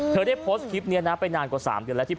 เธอได้พล็อตคลิปเลยนานกว่า๓เดือนครับ